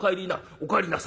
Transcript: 『お帰りなさいませ。